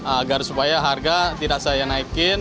agar supaya harga tidak saya naikin